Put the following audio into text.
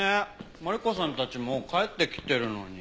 マリコさんたちもう帰ってきてるのに。